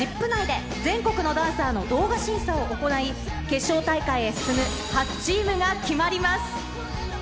内で全国のダンサーの動画審査を行い、決勝大会へ進む８チームが決まります。